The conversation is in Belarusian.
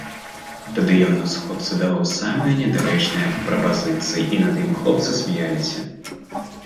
Тады ён на сходцы даваў самыя недарэчныя прапазіцыі і над ім хлопцы смяяліся.